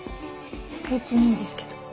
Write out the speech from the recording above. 別にいいですけど。